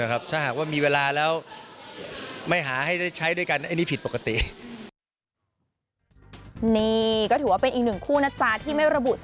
ถ้าหากว่ามีเวลาแล้วไม่หาให้ได้ใช้ด้วยกันอันนี้ผิดปกติ